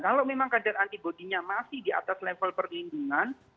kalau memang kadar antibody nya masih di atas level perlindungan